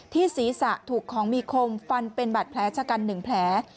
ศีรษะถูกของมีคมฟันเป็นบาดแผลชะกัน๑แผล